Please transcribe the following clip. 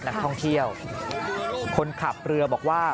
นักท่องเที่ยวคนขับเรือบอกว่า